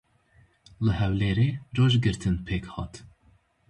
Li Hewlêrê rojgirtin pêk hat.